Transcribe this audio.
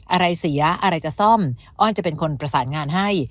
อะไรเสียอะไรจะซ่อมอ้อนจะเป็นคนประสานงานให้